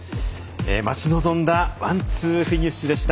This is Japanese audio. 待ち望んだワンツーフィニッシュでした。